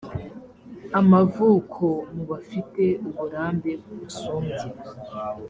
amavuko mu bafite uburambe busumbye